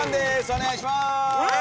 お願いします。